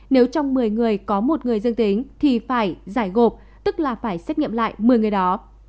nếu trong một mươi người có một người dương tính thì phải giải gộp tức là phải xét nghiệm lại một mươi người đó